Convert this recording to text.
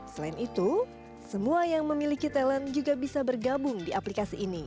selain itu semua yang memiliki talent juga bisa bergabung di aplikasi ini